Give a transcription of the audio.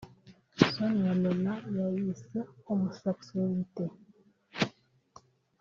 Sonia Rolland yayise ‘Homosexualité